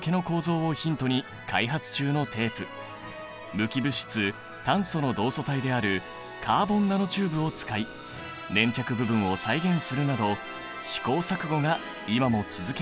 無機物質炭素の同素体であるカーボンナノチューブを使い粘着部分を再現するなど試行錯誤が今も続けられているんだ。